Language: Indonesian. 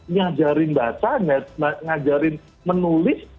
ngajarin baca ngajarin menulis